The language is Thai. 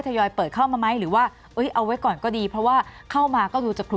ยอยเปิดเข้ามาไหมหรือว่าเอาไว้ก่อนก็ดีเพราะว่าเข้ามาก็ดูจะกลัว